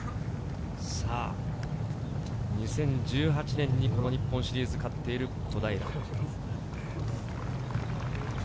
２０１８年にこの日本シリーズを勝っている小平。